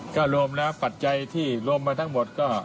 ก็รวมแล้วปัจจัยที่รวมมาทั้งหมดก็